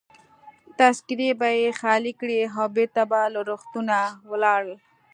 تذکیرې به يې خالي کړې او بیرته به له روغتونه ولاړل.